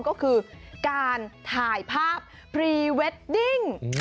ก็คือการถ่ายภาพพรีเวดดิ้ง